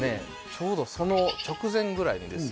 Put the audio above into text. ちょうどその直前ぐらいにですね